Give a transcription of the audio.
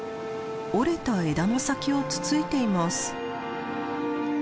折れた枝の先をつついています。